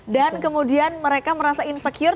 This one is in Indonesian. dan kemudian mereka merasa insecure